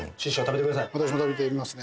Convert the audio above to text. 私も食べてみますね